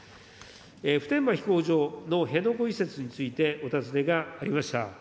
普天間飛行場の辺野古移設についてお尋ねがありました。